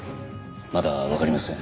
まだわかりません。